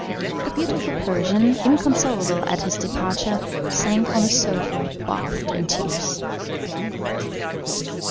The beautiful Persian, inconsolable at his departure, sank on a sofa bathed in tears.